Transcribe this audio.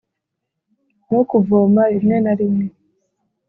no kuvoma rimwe na rimwe.